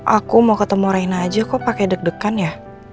aku mau ketemu raina aja kok pakai deg degan ya